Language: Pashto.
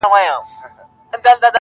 بیرته چي یې راوړې، هغه بل وي زما نه ~